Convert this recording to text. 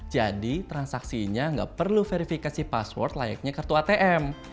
jadi transaksinya ga perlu verifikasi password layaknya kartu atm